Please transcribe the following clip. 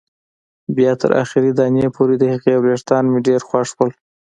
بیا تر اخري دانې پورې، د هغې وېښتان مې ډېر خوښ وو.